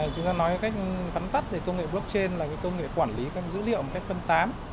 chúng ta nói cách vấn tắc về công nghệ blockchain là công nghệ quản lý các dữ liệu một cách phân tám